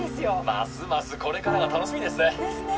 ますますこれからが楽しみですね